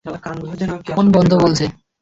Phone বন্ধ বলছে।